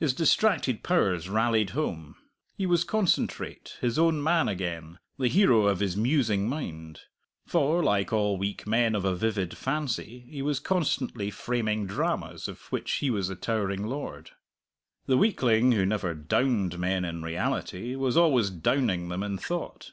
His distracted powers rallied home; he was concentrate, his own man again, the hero of his musing mind. For, like all weak men of a vivid fancy, he was constantly framing dramas of which he was the towering lord. The weakling who never "downed" men in reality was always "downing" them in thought.